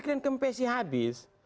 kalian kempesi habis